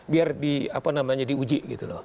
biar di apa namanya diuji gitu loh